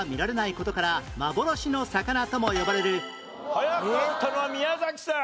早かったのは宮崎さん。